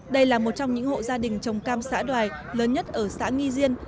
đây là một trong những hộ gia đình trồng cam xã đoài lớn nhất ở xã nghi diên